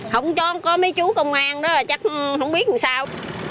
không cho có mấy chú công an đó là chắc không biết làm sao